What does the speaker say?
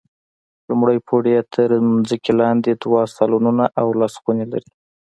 لومړی پوړ یې تر ځمکې لاندې دوه سالونونه او لس خونې لري.